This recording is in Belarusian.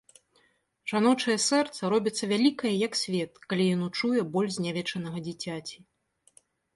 Жаночае сэрца робіцца вялікае, як свет, калі яно чуе боль знявечанага дзіцяці.